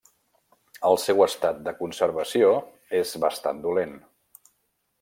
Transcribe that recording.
El seu estat de conservació és bastant dolent.